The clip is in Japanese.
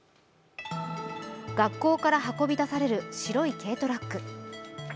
学校から運び出される白い軽トラック。